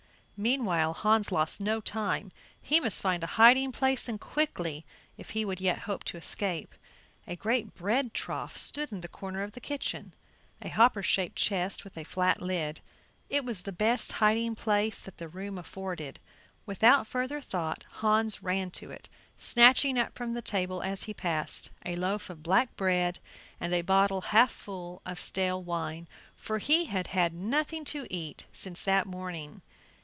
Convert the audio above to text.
Meanwhile Hans lost no time; he must find a hiding place, and quickly, if he would yet hope to escape. A great bread trough stood in the corner of the kitchen a hopper shaped chest with a flat lid. It was the best hiding place that the room afforded. Without further thought Hans ran to it, snatching up from the table as he passed a loaf of black bread and a bottle half full of stale wine, for he had had nothing to eat since that morning.